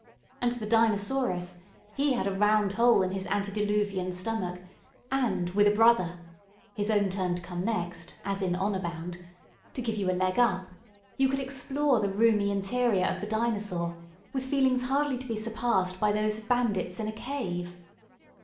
And the Dinosaurus ... he had a round hole in his antediluvian stomach: and, with a brother his own turn to come next, as in honour bound to give you a leg up, you could explore the roomy interior of the Dinosaur with feelings hardly to be surpassed by those of bandits in a cave.